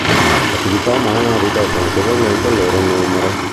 L'attività umana ha ridotto notevolmente il loro numero.